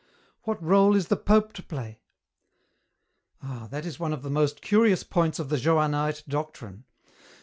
"What rôle is the Pope to play?" "Ah, that is one of the most curious points of the Johannite doctrine.